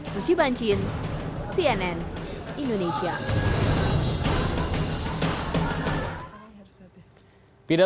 suci banjin cnn indonesia